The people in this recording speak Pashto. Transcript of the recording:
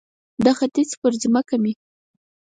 د ختیځ پر مځکه مې